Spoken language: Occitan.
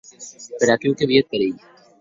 Per aquiu que vie eth perilh.